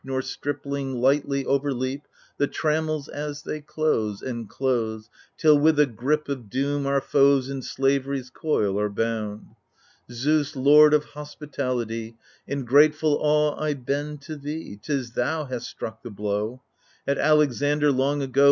Nor stripling lightly overleap The trammels as they close, and close, Till with the grip of doom our foes In slavery's coil are bound I Zeus, Lord of hospitality, In grateful awe I bend to thee — 'Tis thou hast struck the blow 1 At Alexander, long ago.